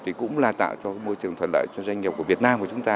thì cũng là tạo cho môi trường thuận lợi cho doanh nghiệp của việt nam của chúng ta